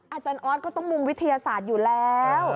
อาจารย์ออสก็ต้องมุมวิทยาศาสตร์อยู่แล้ว